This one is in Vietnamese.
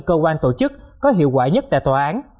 cơ quan tổ chức có hiệu quả nhất tại tòa án